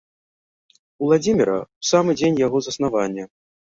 Уладзіміра ў самы дзень яго заснавання.